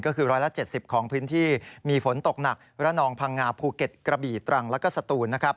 ก็คือ๑๗๐ของพื้นที่มีฝนตกหนักระนองพังงาภูเก็ตกระบี่ตรังแล้วก็สตูนนะครับ